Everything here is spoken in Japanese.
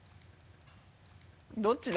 どっちだ？